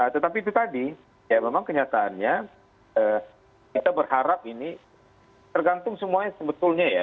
tetapi itu tadi ya memang kenyataannya kita berharap ini tergantung semuanya sebetulnya ya